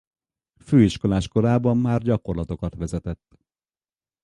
Főiskolás korában már gyakorlatokat vezetett.